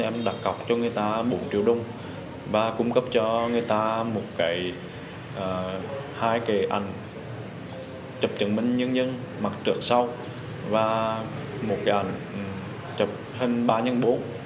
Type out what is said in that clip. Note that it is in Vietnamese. em đặt cọc cho người ta bốn triệu đồng và cung cấp cho người ta hai cái ảnh chụp chứng minh nhân dân mặt trưởng sau và một cái ảnh chụp hình ba nhân bố